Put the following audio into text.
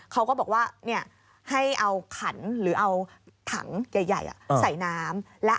เขาก็บอกว่าให้เอาขันหรือเอาถังใหญ่ใส่น้ำ